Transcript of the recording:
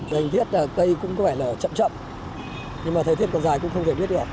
dành thiết cây cũng có vẻ là chậm chậm nhưng mà thời tiết còn dài cũng không thể biết được